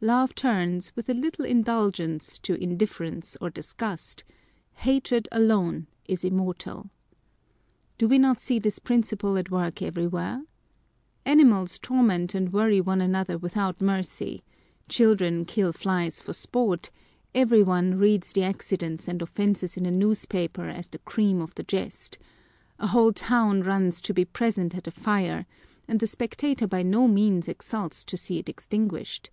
Love turns, with a little indulgence, to indifference or disgust : hatred alone is immortal. Do we not see this principle at wrork every where ? Animals torment and worry one another without mercy : children kill flies for sport : every one reads the accidents and offences in a newspaper as the cream of the jest : a whole town runs to be present at a fire, and the spectator by no means exults to see it extinguished.